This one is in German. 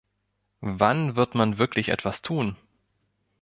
Wann wird man wirklich etwas tun?